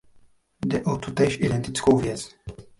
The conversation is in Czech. Jde o tutéž, identickou věc.